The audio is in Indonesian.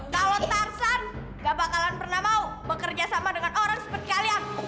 kalau tarzan tidak akan pernah mau bekerja sama dengan orang seperti kalian